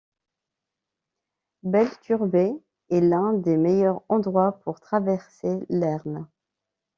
Belturbet est l’un des meilleurs endroits pour traverser l'Erne.